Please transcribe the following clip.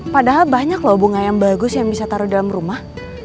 padahal banyak loh bunga yang bagus yang bisa taruh dalam rumah